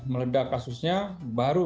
meledak kasusnya baru